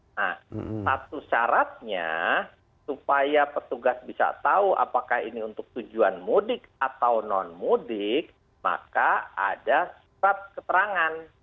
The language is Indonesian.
nah satu syaratnya supaya petugas bisa tahu apakah ini untuk tujuan mudik atau non mudik maka ada surat keterangan